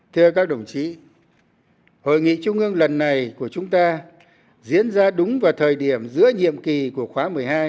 thưa các đồng chí hội nghị trung ương lần này của chúng ta diễn ra đúng vào thời điểm giữa nhiệm kỳ của khóa một mươi hai